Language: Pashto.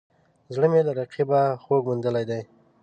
زړه مې له رقیبه خوږ موندلی دی